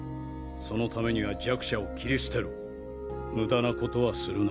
そのためには弱者を切り捨てろ無駄なことはするな。